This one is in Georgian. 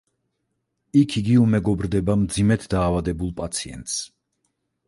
იქ იგი უმეგობრდება მძიმედ დაავადებულ პაციენტს.